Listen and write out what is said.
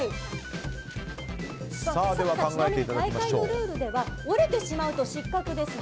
ちなみに大会のルールでは折れてしまうと失格ですよ。